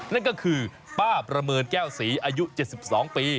นั่นก็คือป้าประเมินแก้วศรีอายุ๗๒ปี